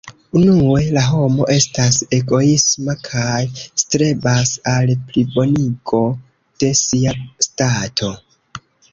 Unue, la homo estas egoisma kaj strebas al plibonigo de sia stato.